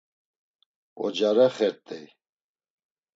Ocare xert̆ey.